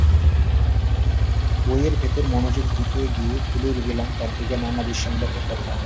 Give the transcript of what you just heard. বইয়ের ভেতর মনোযোগ দিতে গিয়ে ভুলে গেলাম চারদিকের নানা দুঃসংবাদের কথা।